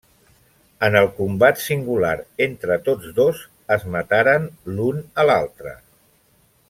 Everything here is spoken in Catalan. En el combat singular entre tots dos, es mataren l'un a l'altre.